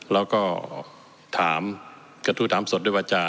แล้วก็ถามกระทู้ถามสดด้วยวาจา